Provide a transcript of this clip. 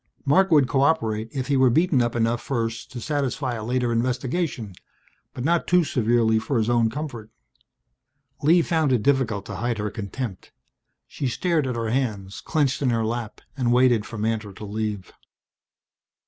Marc would cooperate if he were beaten up enough first to satisfy a later investigation but not too severely for his own comfort! Lee found it difficult to hide her contempt. She stared at her hands, clenched in her lap, and waited for Mantor to leave.